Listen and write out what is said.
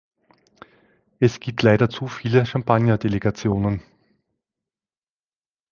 Es gibt leider zu viele Champagnerdelegationen.